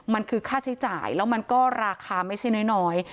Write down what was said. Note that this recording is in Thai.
มันคือค่าใช้จ่ายแล้วมันก็ราคาไม่ใช่น้อย